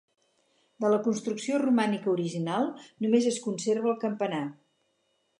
De la construcció romànica original només es conserva el campanar.